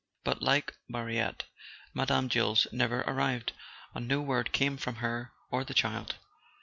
But, like Mariette, Mme. Jules never arrived, and no word came from her or the child.